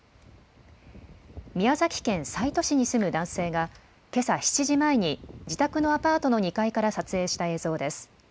宮崎県西都市に住む男性が、けさ７時前に自宅のアパートの２階から撮影した映像です。